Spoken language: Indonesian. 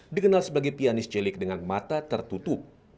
dikenal sebagai pianis celik dengan mata tertutup